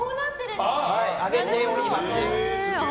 揚げております。